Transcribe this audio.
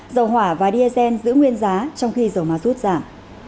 dầu hỏa và diesel giữ nguyên giá trong khi dầu ma rút giảm